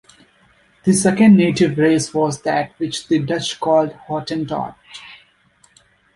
The second native race was that which the Dutch called Hottentot.